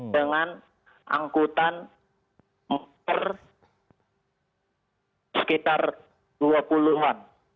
dengan angkutan sekitar dua puluhan